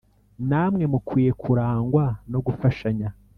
namwe mukwiye kurangwa no gufashanya,